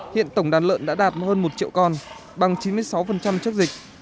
hiện tổng đàn lợn đã đạt hơn một triệu con bằng chín mươi sáu chất dịch